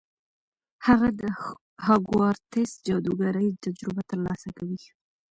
هغه د هاګوارتس جادوګرۍ تجربه ترلاسه کوي.